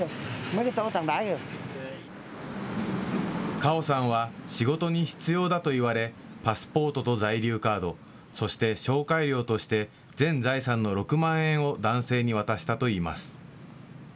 カオさんは仕事に必要だと言われパスポートと在留カード、そして紹介料として全財産の６万円を男性に渡したといいます。